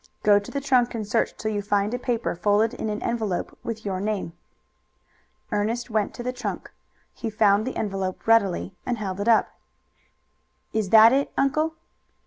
Go to the trunk and search till you find a paper folded in an envelope with your name." Ernest went to the trunk. He found the envelope readily, and held it up. "Is that it, uncle?"